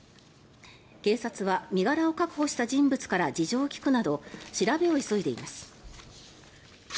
警察は身柄を確保した人物から事情を聴くなど調べを急いでいます。